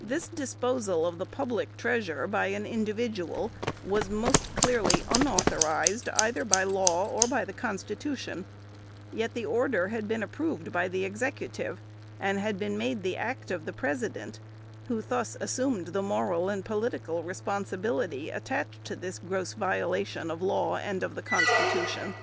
This disposal of the public treasure by an individual, was most clearly unauthorized, either by law or by the constitution; yet the order had been approved by the Executive, and had been made the act of the President, who thus assumed the moral and political responsibility attached to this gross violation of law, and of the Constitution.